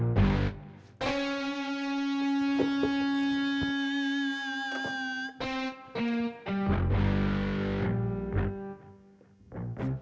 mau makan dulu nggak